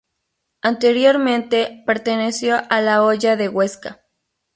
Anteriormente perteneció a la Hoya de Huesca.